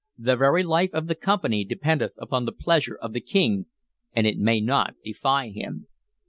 The very life of the Company dependeth upon the pleasure of the King, and it may not defy him.